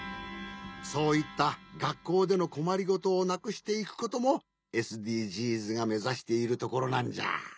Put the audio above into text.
そういったがっこうでのこまりごとをなくしていくこともＳＤＧｓがめざしているところなんじゃ。